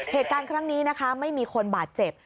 เหตุการณ์ครั้งนี้นะคะไม่มีคนบาดเจ็บ